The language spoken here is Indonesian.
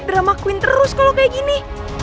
drama queen terus kalo kayak gini